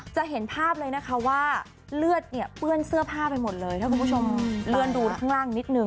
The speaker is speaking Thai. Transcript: จะเห็นภาพเลยนะคะว่าเลือดเนี่ยเปื้อนเสื้อผ้าไปหมดเลยถ้าคุณผู้ชมเลื่อนดูข้างล่างนิดนึ